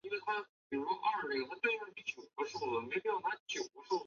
无神论人口统计的困难是多方面原因造成的。